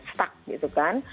stuck gitu kan